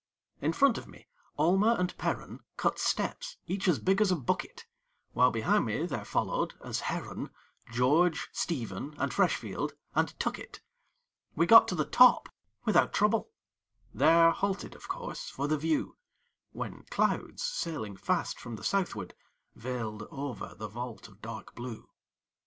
In front of me Almer and Perren Cut steps, each as big as a bucket; While behind me there followed, as Herren, George, Stephen, and Freshfield, and Tuckett. We got to the top without trouble; There halted, of course, for the view; When clouds, sailing fast from the southward, Veiled over the vault of dark blue.